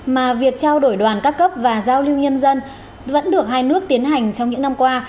mà việc trao đổi đoàn các cấp và giao lưu nhân dân vẫn được hai nước tiến hành trong những năm qua